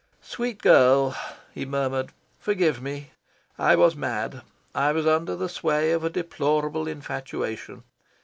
"Sweet girl," he murmured, "forgive me. I was mad. I was under the sway of a deplorable infatuation.